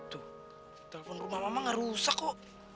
tuh telepon rumah mama gak rusak kok